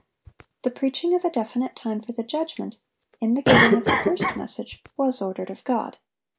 The preaching of a definite time for the judgment, in the giving of the first message, was ordered of God.